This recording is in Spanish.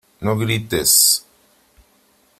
no grites .